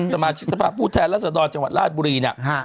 สมาชิกสภาพผู้แทนรัศดรจังหวัดราชบุรีเนี่ย